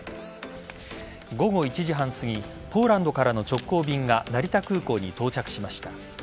午後１時半すぎポーランドからの直行便が成田空港に到着しました。